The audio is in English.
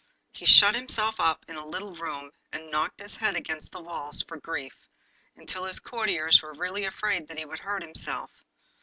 He shut himself up in a little room and knocked his head against the walls for grief, until his courtiers were really afraid that he would hurt himself.